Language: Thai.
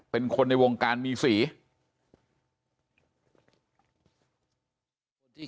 เป็นคนในวงการมีสี